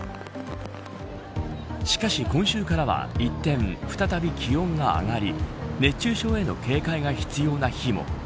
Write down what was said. しかし、今週からは一転再び気温が上がり熱中症への警戒が必要な日も。